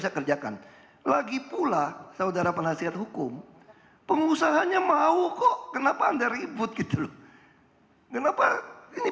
saya sampaikan pada mereka kita ganti direksi